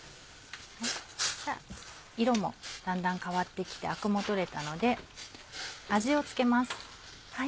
色もだんだん変わって来てアクも取れたので味を付けます。